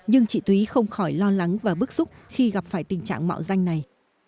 nhưng chị túy không khỏi lo lắng và bức xúc khi gặp phải tình trạng mạo danh này